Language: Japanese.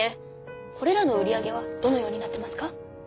これらの売り上げはどのようになってますか？